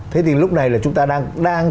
thế thì lúc này là chúng ta đang